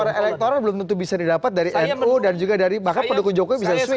jadi suara elektoral belum tentu bisa didapat dari nu dan juga dari bahkan pendukung jokowi bisa swing gitu ya